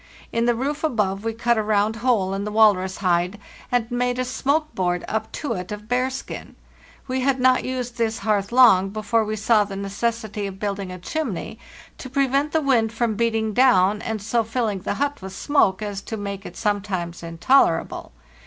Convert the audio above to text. In the roof above we cut a round hole in the walrus hide, and made a smoke board up to it of bearskin. We had not used this hearth long before we saw the necessity of building a chimney to prevent the wind from beating down, and so filling the hut with smoke as to make it sometimes intolerable.